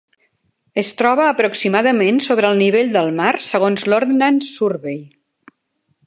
Es troba aproximadament sobre el nivell del mar segons l'Ordnance Survey.